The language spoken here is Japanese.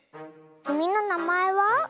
きみのなまえは？